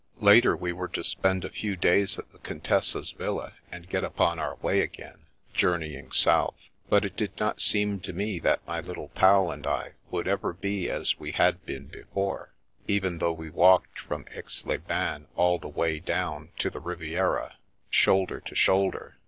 Later, we were to spend a few days at the Con tessa's villa and get upon our way again, journeying south. But it did not seem to me that my little Pal and I would ever be as we had been before, even though we walked from Aix les Bains all the way down to the Riviera shoulder to shoulder.